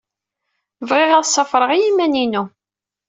Bɣiɣ ad ṣafreɣ i yiman-inu.